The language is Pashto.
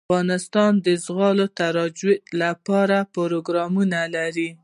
افغانستان د زغال د ترویج لپاره پروګرامونه لري.